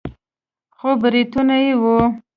خو برېتونه يې وو.